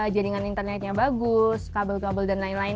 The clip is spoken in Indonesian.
jaringan internetnya bagus kabel kabel dan lain lain